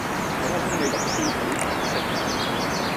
枉我供你讀書，俾飯你食